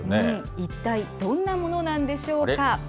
一体どんなものなんでしょうか。